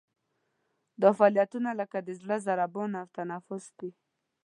دا فعالیتونه لکه د زړه ضربان او تنفس دي.